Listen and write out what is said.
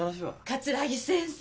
桂木先生。